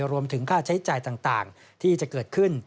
รวมถึงค่าใช้จ่ายต่างที่จะเกิดขึ้น